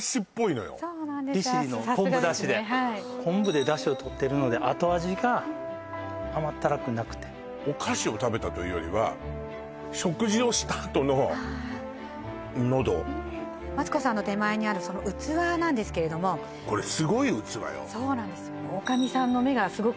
利尻の昆布ダシでさすがですねはい昆布でダシを取ってるので後味が甘ったるくなくてお菓子を食べたというよりは食事をしたあとの喉マツコさんの手前にあるその器なんですけれどもこれすごい器よそうなんです